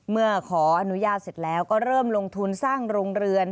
เมื่อขออนุญาตเสร็จแล้วก็เริ่มลงทุนสร้างโรงเรือน